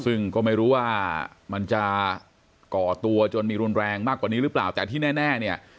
ซึ่งก็ไม่รู้ว่ามันจะก่อตัวจนมีรุนแรงมากกว่านี้หรือเปล่าแต่ที่แน่เนี่ย